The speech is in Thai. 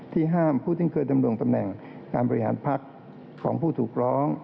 ห้ามผู้ซึ่งเคยดำรงตำแหน่งการบริหารพักของผู้ถูกร้อง